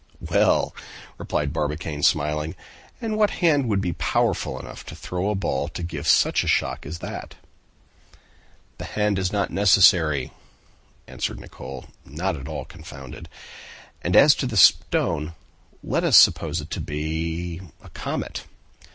"Well!" replied Barbicane, smiling. "And what hand would be powerful enough to throw a ball to give such a shock as that?" "The hand is not necessary," answered Nicholl, not at all confounded; "and as to the stone, let us suppose it to be a comet."